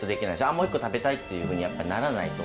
「もう一個食べたい！」っていうふうにならないと思うんですよ。